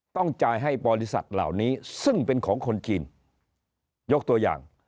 ต้องจ่ายให้บริษัทเหล่านี้ซึ่งเป็นของคนจีนยกตัวอย่าง